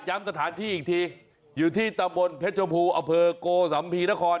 ย้ำสถานที่อีกทีอยู่ที่ตะบลเพชรภูอเผอร์โกสัมภีรคอน